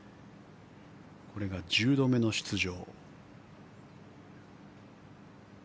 これが１０度目の出場。